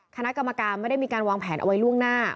คณะกรรมการไม่ได้มีการวางแผนเอาไว้ล่วงหน้า